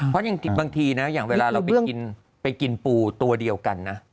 เพราะบางทีนะอย่างเวลาเราไปกินไปกินปูตัวเดียวกันนะ